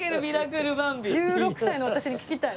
１６歳の私に聞きたい。